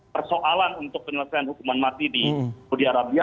persoalan untuk penyelesaian hukuman mati di saudi arabia